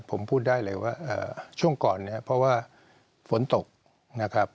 ผมพูดได้เลยว่าช่วงก่อนเนี่ยเพราะว่าฝนตกนะครับ